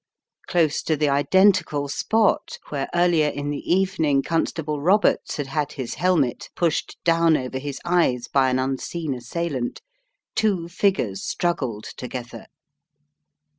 Close to the identical spot, where earlier in the evening Constable Roberts had had his helmet pushed down over his eyes by an unseen assailant, two figures struggled together.